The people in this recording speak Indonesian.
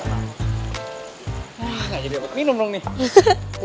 gak jadi apa apa minum dong nih